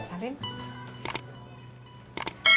kau salam emak kagak di jawa